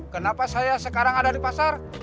kenapa saya sekarang ada di pasar